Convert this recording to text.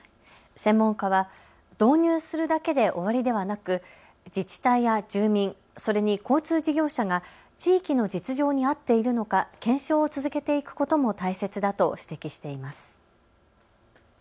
専門家は導入するだけで終わりではなく自治体や住民、それに交通事業者が地域の実情に合っているのか検証を続けていくことも大切だと指摘しています。